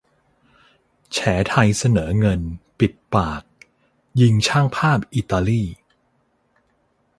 แฉไทยเสนอเงิน ปิดปาก! ยิงช่างภาพอิตาลี